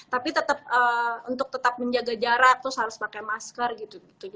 tapi untuk tetap menjaga jarak harus pakai masker gitu